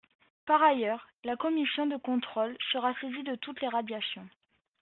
Par ailleurs, la commission de contrôle sera saisie de toutes les radiations.